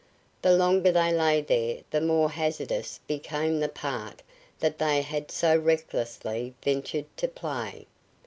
The longer they lay there the more hazardous became the part they had so recklessly ventured to play.